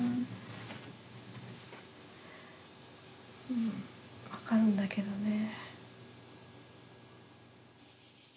うん分かるんだけどねえ。